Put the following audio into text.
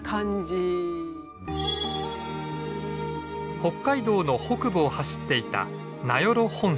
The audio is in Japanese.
北海道の北部を走っていた名寄本線。